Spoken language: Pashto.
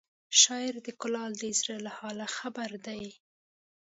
شاعر د کلال د زړه له حاله خبر دی